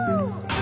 あ。